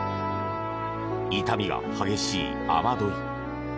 傷みが激しい雨どい。